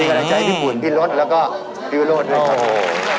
พี่กำลังใจพี่ผุ่นพี่รสแล้วก็พี่โวธด้วยครับ